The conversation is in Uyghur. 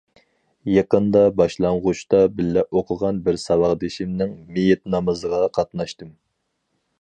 يېقىندا باشلانغۇچتا بىللە ئوقۇغان بىر ساۋاقدىشىمنىڭ مېيىت نامىزىغا قاتناشتىم.